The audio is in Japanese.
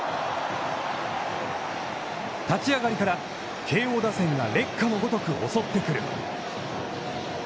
立ち上がりから、慶応打線が烈火のごとく襲ってくる。